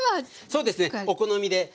そうですねお好みで。